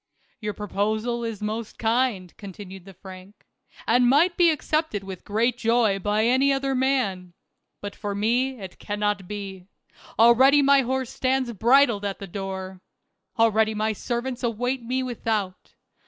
" Your proposal is most kind," continued the Frank, "and might be accepted with great joy by any other man. But for me it cannot be. Already my horse stands bridled at the door ; already my servants await me without.